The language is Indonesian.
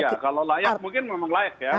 ya kalau layak mungkin memang layak ya